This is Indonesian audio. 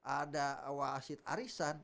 ada wasit arisan